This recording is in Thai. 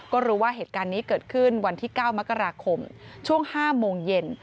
ก็รู้ว่าเหตุการณ์นี้เกิดขึ้นวันที่๙มกราคมช่วง๕โมงเย็น